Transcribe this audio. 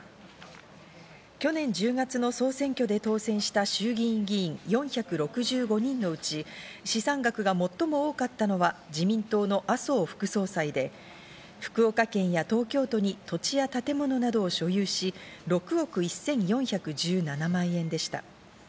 去年１０月の総選挙で当選した衆議院議員４６５人のうち、資産額が最も多かったのは自民党の麻生副総裁で福岡県や東京都に土地や建物などを所有し６億１４１７万円でした。